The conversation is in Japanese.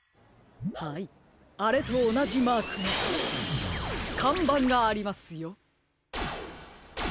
はいあれとおなじマークのかんばんがありますよ。